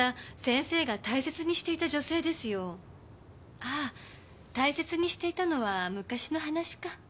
ああ大切にしていたのは昔の話か。